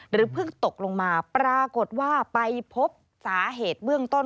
เพิ่งตกลงมาปรากฏว่าไปพบสาเหตุเบื้องต้น